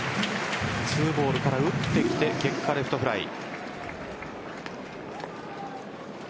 ２ボールから打ってきて結果レフトフライ。